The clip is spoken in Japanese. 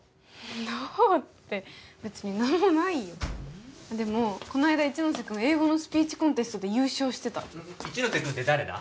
どうって別に何もないよでもこの間一ノ瀬君英語のスピーチコンテストで優勝してた一ノ瀬君って誰だ？